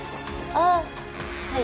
ああはい。